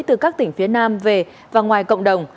từ các tỉnh phía nam về và ngoài cộng đồng